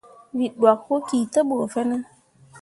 Wǝ ɗwak wo ki te ɓu fine ?